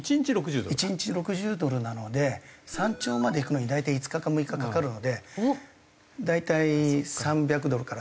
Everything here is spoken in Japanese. １日６０ドルなので山頂まで行くのに大体５日か６日かかるので大体３００ドルから３６０ドル。